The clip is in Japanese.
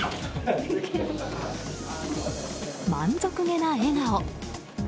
満足げな笑顔。